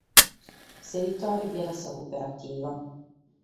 S'editore fiat sa cooperativa.